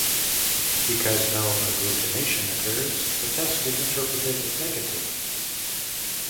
Because no agglutination occurs, the test is interpreted as negative.